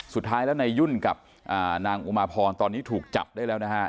สุดท้ายแล้วนายยุ่นกับนางอุมาพรตอนนี้ถูกจับได้แล้วนะฮะ